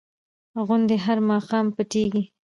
غوندې هر ماښام پټېږي.